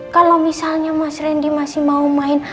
kalau misalnya mas randy masih mau main